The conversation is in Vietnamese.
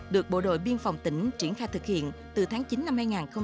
được bộ đội biên phòng tỉnh triển khai thực hiện từ tháng chín năm hai nghìn một mươi tám